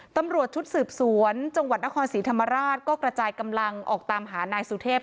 ตำรวจชุดสืบสวนจังหวัดนครศรีธรรมราชก็กระจายกำลังออกตามหานายสุเทพ